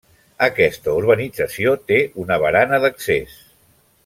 Aquesta urbanització té una barana d’accés.